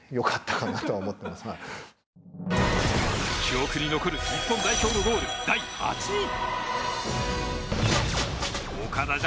記憶に残る日本代表のゴール第８位。